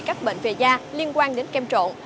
các bệnh về da liên quan đến kem trộn